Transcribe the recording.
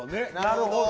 なるほど！